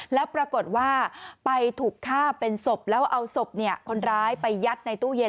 แล้วปรากฏว่าไปถูกฆ่าเป็นศพแล้วเอาศพคนร้ายไปยัดในตู้เย็น